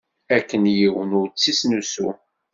Akken yiwen ur tt-isnusu.